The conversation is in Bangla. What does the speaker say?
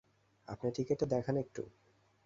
আপনার টিকেটটা দেখান একটু।